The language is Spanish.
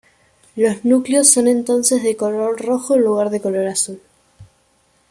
Los núcleos son entonces de color rojo en lugar de azul.